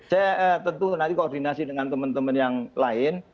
saya tentu nanti koordinasi dengan teman teman yang lain